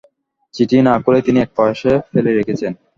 চিঠি না-খুলেই তিনি একপাশে ফেলে রেখেছেন।